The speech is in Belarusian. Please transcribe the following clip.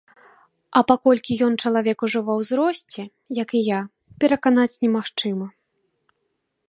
А паколькі ён чалавек ужо ва ўзросце, як і я, пераканаць немагчыма.